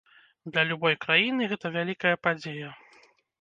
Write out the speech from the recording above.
Для любой краіны гэта вялікая падзея.